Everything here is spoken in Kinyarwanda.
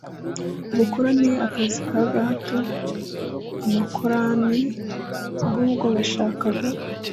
ubukoroni akazi k agahato amakoronb ahubwo bashakaga